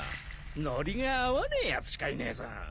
ノリが合わねえやつしかいねえぞ。